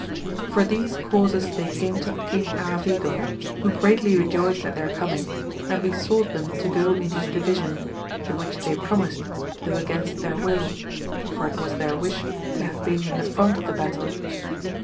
For these causes they came to King Aravigo, who greatly rejoiced at their coming, and besought them to go in his division, the which they promised, though against their will ; for it was their wish to have been in the front of the battle.